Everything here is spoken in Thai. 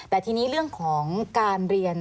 แต่ทีนี้เรื่องของการเรียน